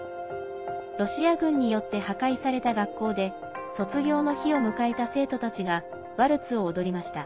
ロシア軍によって破壊された学校で卒業の日を迎えた生徒たちがワルツを踊りました。